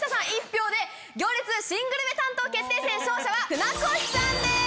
１票で『行列』新グルメ担当決定戦勝者は船越さんです！